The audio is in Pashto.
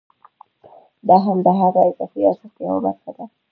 دا هم د هغه اضافي ارزښت یوه برخه ده